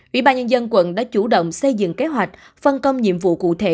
ủy ban nhân dân quận đã chủ động xây dựng kế hoạch phân công nhiệm vụ cụ thể